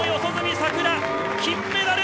さくら金メダル！